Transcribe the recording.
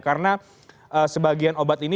karena sebagian obat ini